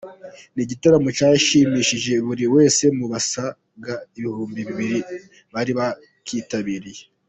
Ni igitaramo cyashimishije buri wese mu basaga ibihumbi bibiri bari bakitabiriye.